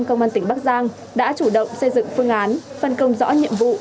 công an tỉnh bắc giang đã chủ động xây dựng phương án phân công rõ nhiệm vụ